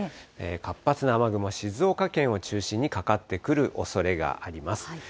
活発な雨雲、静岡県を中心にかかってくるおそれがあります。